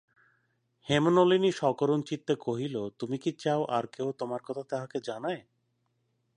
হেমনলিনী সকরুণচিত্তে কহিল, তুমি কি চাও আর-কেহ তোমার কথা তাঁহাকে জানায়?